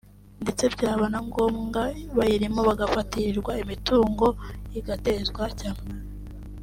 ndetse byaba na ngombwa bayirimo bagafatirirwa imitungo igatezwa cyamunara